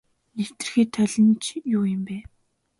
Нэвтэрхий толь нь ч юу юм бэ.